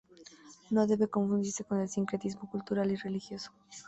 No debe confundirse con el sincretismo cultural y religioso.